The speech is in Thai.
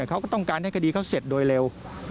เขาก็ต้องการให้คดีเขาเสร็จโดยเร็ว